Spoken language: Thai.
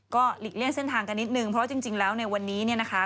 ก็หลีกเลี่ยงเส้นทางกันนิดนึงเพราะจริงแล้วในวันนี้เนี่ยนะคะ